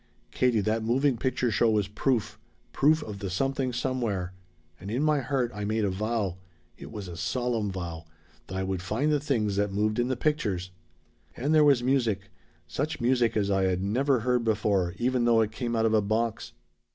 "Katie, that moving picture show was proof. Proof of the Something Somewhere. And in my heart I made a vow it was a solemn vow that I would find the things that moved in the pictures. "And there was music such music as I had never heard before, even though it came out of a box.